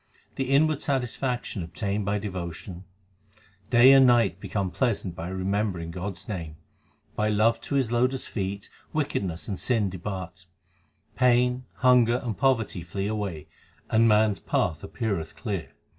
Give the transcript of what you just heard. The inward satisfaction obtained by devotion : Day and night become pleasant by remembering God s name. By love to His lotus feet wickedness and sin depart ; Y 2 324 THE SIKH RELIGION Pain, hunger, and poverty flee away, and man s path appeareth clear.